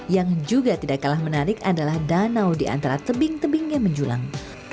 yang juga tidak kalah menarik adalah danau di antara tebing tebing yang menjulang